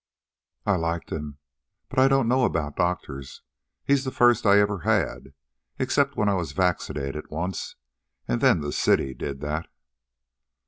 "I liked him. But I don't know about doctors. He's the first I ever had except when I was vaccinated once, and then the city did that."